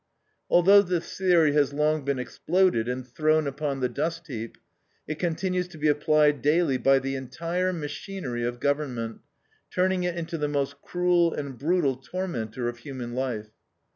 Although this theory has long been exploded, and thrown upon the dustheap, it continues to be applied daily by the entire machinery of government, turning it into the most cruel and brutal tormentor of human life.